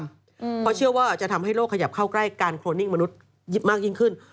เพราะเชื่อว่าจะทำให้โลกขยับเข้าใกล้การโครนิ่งมนุษย์มากยิ่งขึ้น